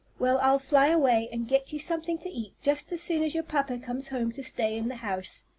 "Well, I'll fly away and get you something to eat just as soon as your papa comes home to stay in the house.